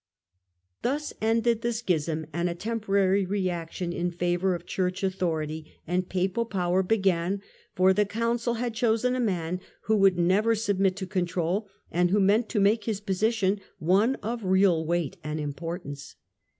Thus ended the Schism and a temporary reaction in favour of Church authority and Papal power began, for the Council had chosen a man who would never submit to control and who meant to make his position one of real weight and importance.